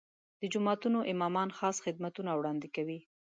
د جوماتونو امامان خاص خدمتونه وړاندې کوي.